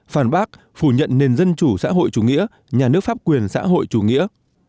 phản bác phủ nhận nền dân chủ xã hội chủ nghĩa nhà nước pháp quyền xã hội chủ nghĩa